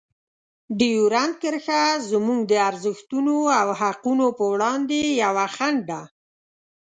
ډیورنډ کرښه زموږ د ارزښتونو او حقونو په وړاندې یوه خنډ ده.